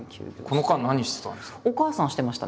この間何してたんですか？